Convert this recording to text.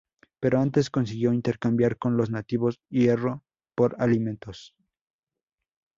Pero antes consiguió intercambiar con los nativos hierro por alimentos.